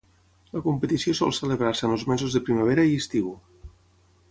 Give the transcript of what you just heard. La competició sol celebrar-se en els mesos de primavera i estiu.